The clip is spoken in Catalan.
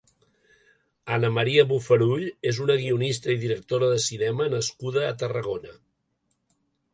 Anna Maria Bofarull és una guionista i directora de cinema nascuda a Tarragona.